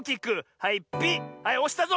はいおしたぞ！